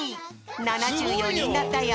７４にんだったよ。